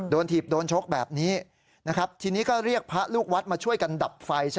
ถีบโดนชกแบบนี้นะครับทีนี้ก็เรียกพระลูกวัดมาช่วยกันดับไฟ